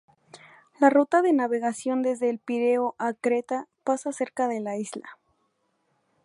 La ruta de navegación desde El Pireo a Creta pasa cerca de la isla.